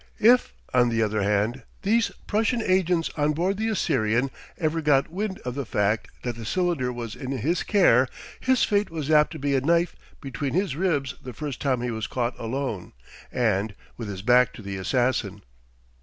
If, on the other hand, these Prussian agents on board the Assyrian ever got wind of the fact that the cylinder was in his care, his fate was apt to be a knife between his ribs the first time he was caught alone and with his back to the assassin.